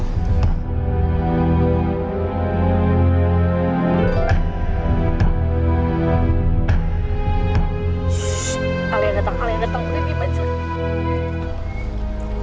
shhh kalian datang kalian datang